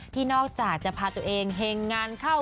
ที่นอกจากจะพาตัวเองเห็งงานเข้า